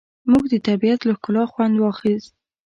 موږ د طبیعت له ښکلا خوند واخیست.